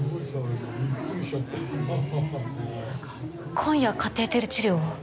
今夜カテーテル治療を？